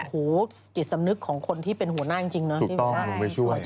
ผู้จิตสำนึกของคนที่เป็นหัวหน้าจริงน่ะ